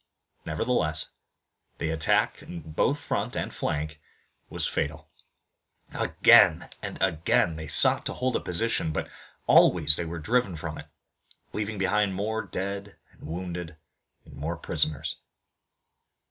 Nevertheless the attack in both front and flank was fatal. Again and again they sought to hold a position, but always they were driven from it, leaving behind more dead and wounded and more prisoners.